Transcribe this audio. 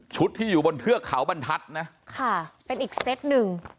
ที่อยู่บนเทือกเขาบรรทัศน์นะค่ะเป็นอีกเซตหนึ่ง